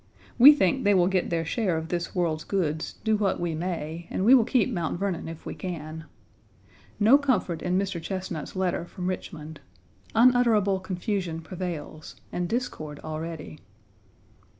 We think they will get their share of this world's goods, do what we may, and we will keep Mt. Vernon if we can. No comfort in Mr. Chesnut's letter from Richmond. Unutterable confusion prevails, and discord already.